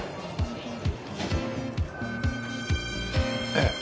ええ。